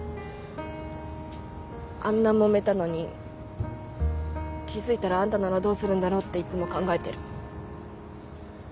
あんなもめたのに気付いたらあんたならどうするんだろうっていつも考えてる。